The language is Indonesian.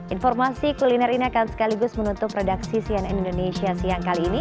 informasi kuliner ini akan sekaligus menutup redaksi cnn indonesia siang kali ini